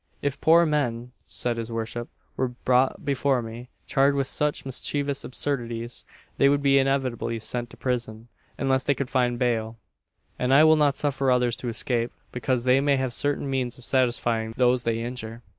"If poor men," said his worship, "were brought before me, charged with such mischievous absurdities, they would be inevitably sent to prison, unless they could find bail; and I will not suffer others to escape, because they may have certain means of satisfying those they injure."